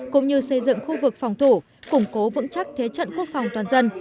cũng như xây dựng khu vực phòng thủ củng cố vững chắc thế trận quốc phòng toàn dân